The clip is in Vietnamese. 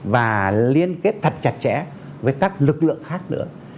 và liên kết thật chặt chẽ với các lực lượng khác nữa